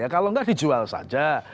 kalau nggak dijual saja